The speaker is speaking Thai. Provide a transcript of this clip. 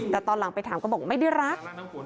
แต่ตอนหลังไปถามก็บอกไม่ได้รัก